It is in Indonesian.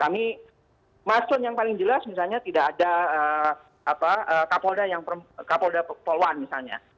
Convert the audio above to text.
masjid yang paling jelas misalnya tidak ada kapolda yang kapolda poluan misalnya